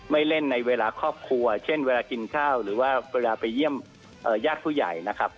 เล่นในเวลาครอบครัวเช่นเวลากินข้าวหรือว่าเวลาไปเยี่ยมญาติผู้ใหญ่นะครับ